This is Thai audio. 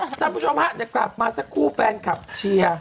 เอาละครับท่านผู้ชมฮะจะกลับมาสักครู่แฟนคับเชียร์